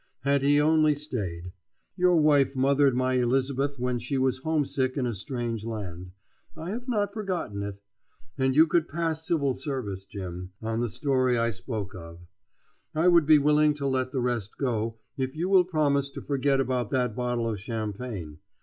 Had he only stayed! Your wife mothered my Elisabeth when she was homesick in a strange land. I have never forgotten it. And you could pass civil service, Jim, on the story I spoke of. I would be willing to let the rest go, if you will promise to forget about that bottle of champagne.